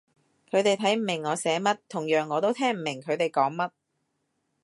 佢哋睇唔明我寫乜，同樣我都聽唔明佢哋講乜